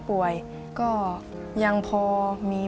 พ่อลูกรู้สึกปวดหัวมาก